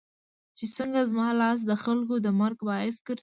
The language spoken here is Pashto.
چې څنګه زما لاس دخلکو د مرګ باعث ګرځي